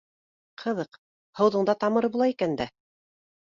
— Ҡыҙыҡ, һыуҙың да тамыры була икән дә